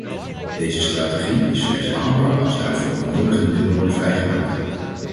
Deze strategie is slechts haalbaar als daarvoor de nodige middelen worden vrijgemaakt.